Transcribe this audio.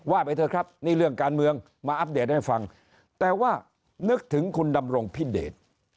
ไปเถอะครับนี่เรื่องการเมืองมาอัปเดตให้ฟังแต่ว่านึกถึงคุณดำรงพิเดช